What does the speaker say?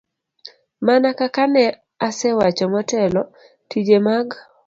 Mana kaka ne asewacho motelo, tije mag